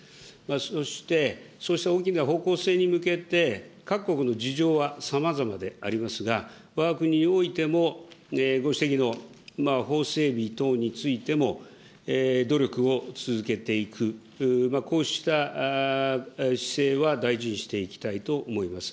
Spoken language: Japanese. そして、そして大きな方向性に向けて各国の事情はさまざまでありますが、わが国においても、ご指摘の法整備等についても、努力を続けていく、こうした姿勢は大事にしていきたいと思います。